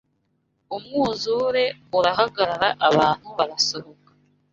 umwuzure urahagarara abantu barasohoka